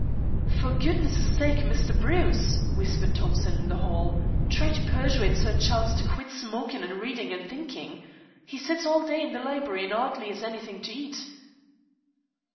"For goodness' sake, Mr. Bruce," whispered Thompson in the hall, "try to persuade Sir Charles to quit smokin', and readin', and thinkin'. He sits all day in the library and 'ardly has anything to eat."